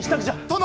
殿！